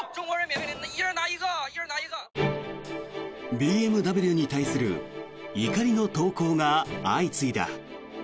ＢＭＷに対する怒りの投稿が相次いだ。